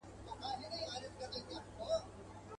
خو ډوډۍ یې له هر چا څخه تنها وه.